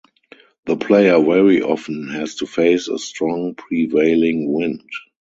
The player very often has to face a strong prevailing wind.